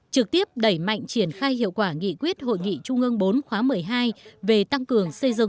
trực tiếp đẩy mạnh triển khai hiệu quả nghị quyết hội nghị trung ương bốn khóa một mươi hai về tăng cường xây dựng